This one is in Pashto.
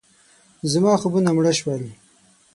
زما خوبونه مړه شول.